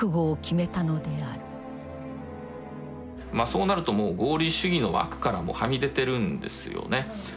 そうなるともう合理主義の枠からもはみ出てるんですよね。